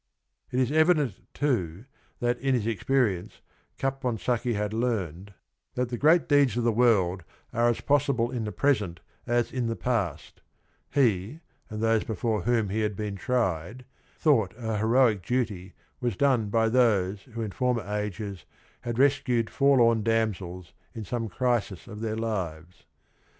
It is evident too that in his experience Capon sacchi had learned that the great deeds of the CAPONSACCHI 105 world are as possible in the present as in the past. He and those before whom he had been tried thought a heroic duty was done by those who in former ages had rescued forlorn damsels in some crisis of their lives.